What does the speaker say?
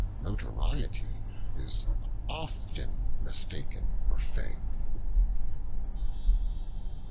Notoriety is often mistaken for fame.